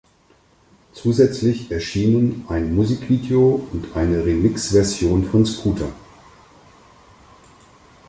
Zusätzlich erschienen ein Musikvideo und eine Remix-Version von Scooter.